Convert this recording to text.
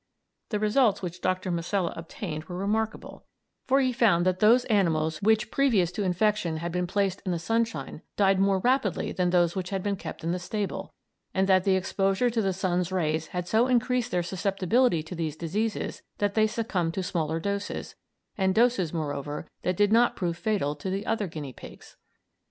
The results which Dr. Masella obtained were remarkable, for he found that those animals which previous to infection had been placed in the sunshine died more rapidly than those which had been kept in the stable, and that the exposure to the sun's rays had so increased their susceptibility to these diseases that they succumbed to smaller doses, and doses, moreover, which did not prove fatal to the other guinea pigs.